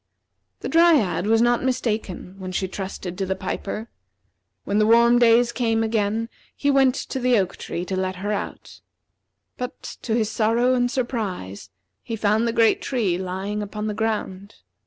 The Dryad was not mistaken when she trusted in the piper. When the warm days came again he went to the oak tree to let her out. But, to his sorrow and surprise, he found the great tree lying upon the ground.